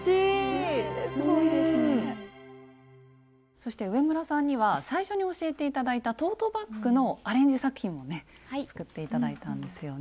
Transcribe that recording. そして上村さんには最初に教えて頂いたトートバッグのアレンジ作品もね作って頂いたんですよね。